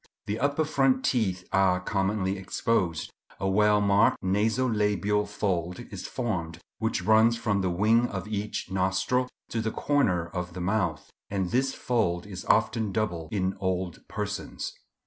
The upper front teeth are commonly exposed. A well marked naso labial fold is formed, which runs from the wing of each nostril to the corner of the mouth; and this fold is often double in old persons.